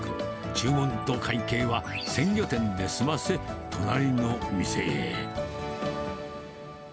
注文と会計は鮮魚店で済ませ、隣の店へ。